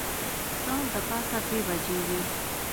څه د پاسه دوې بجې وې.